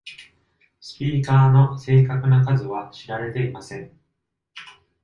スピーカーの正確な数は知られていません。